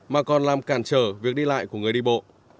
mà còn làm cản trở việc đi lại của người đi bộ